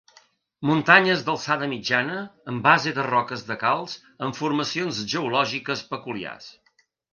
Muntanyes d'alçada mitjana, a base de roques de calç amb formacions geològiques peculiars.